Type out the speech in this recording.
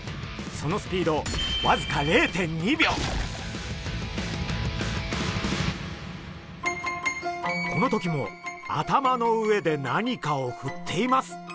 そのスピードわずかこの時も頭の上で何かをふっています。